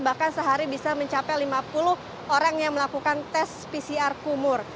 bahkan sehari bisa mencapai lima puluh orang yang melakukan tes pcr kumur